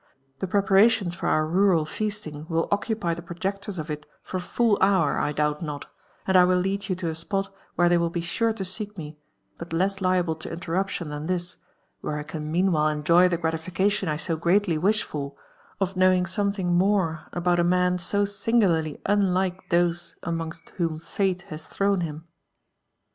The preparations for our rural feasting will occupy the projectors of it for a full hour, I doubt not ; and I will lead yau to a spot where they will be sure to seek me, but less liable to interruption than this, where I can mean while enjoy the gratification I so greatly wish for, of knowing some thing more about a man so singularly unlike those amongst whom fate has thrown him."